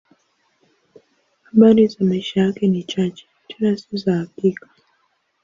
Habari za maisha yake ni chache, tena si za hakika.